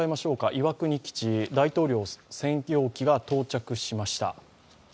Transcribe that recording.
岩国基地、大統領専用機が到着しました。